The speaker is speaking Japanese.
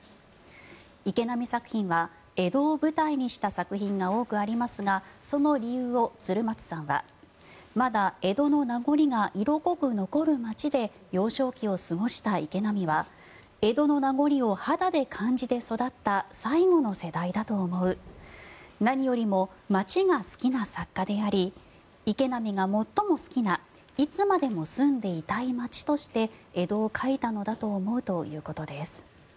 池波作品は江戸を舞台にした作品が多くありますがその理由を鶴松さんはまだ江戸の名残が色濃く残る街で幼少期を過ごした池波は江戸の名残を肌で感じて育った最後の世代だと思う何よりも町が好きな作家であり池波が最も好きないつまでも住んでいたい町として江戸を書いたのだと思うということです。